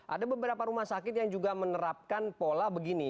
ada beberapa rumah sakit yang juga menerapkan pola begini